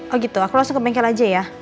oh gitu aku langsung ke bengkel aja ya